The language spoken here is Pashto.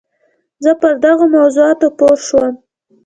زه پر دغو موضوعاتو پوه شوم.